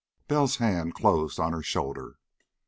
Bell's hand closed on her shoulder.